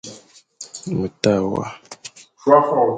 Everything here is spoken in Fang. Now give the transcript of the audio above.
Me ta wa ;